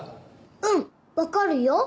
うんわかるよ。